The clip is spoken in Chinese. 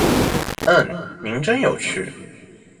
嗯，您真有趣